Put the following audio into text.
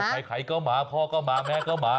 โอ้ใครก็มาพ่อก็มาแม่ก็มา